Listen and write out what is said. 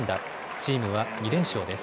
チームは２連勝です。